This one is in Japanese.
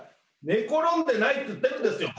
寝転んでないって言ってるんですよ。